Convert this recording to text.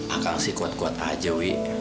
aku masih kuat kuat aja wi